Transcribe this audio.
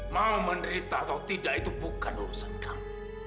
mau menderita atau tidak itu bukan urusan kami